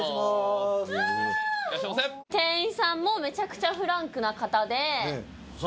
店員さんもめちゃくちゃフランクな方で。